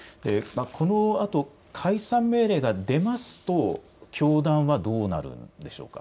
このあと解散命令が出ますと教団はどうなるんでしょうか。